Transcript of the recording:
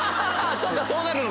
そっかそうなるのか。